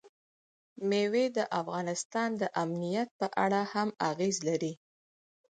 مېوې د افغانستان د امنیت په اړه هم اغېز لري.